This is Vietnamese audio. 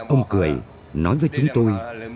ông quỳ nói với chúng tôi